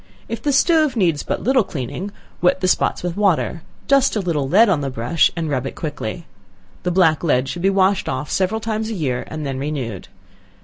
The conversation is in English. If the stove needs but little cleaning, wet the spots with water, dust a little lead on the brush and rub it quickly. The black lead should be washed off several times a year, and then renewed.